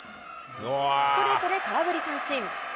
ストレートで空振り三振。